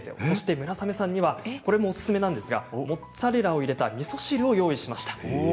そして村雨さんにはこれもおすすめなんですがモッツァレラを入れたみそ汁を用意しました。